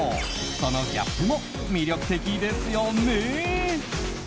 そのギャップも魅力的ですよね。